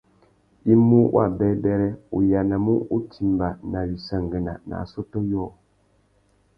I mú wabêbêrê, u yānamú utimba nà wissangüena nà assôtô yôō.